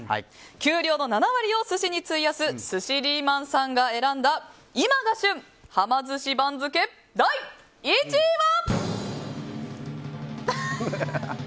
給料の７割を寿司に費やす寿司リーマンさんが選んだ今が旬、はま寿司番付第１位は。